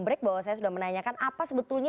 break bahwa saya sudah menanyakan apa sebetulnya